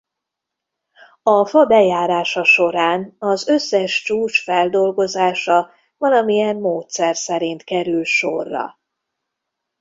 A fa bejárása során az összes csúcs feldolgozása valamilyen módszer szerint kerül sorra.